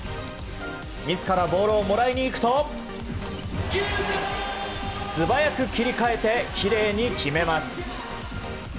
自らボールをもらいにいくと素早く切り替えてきれいに決めます。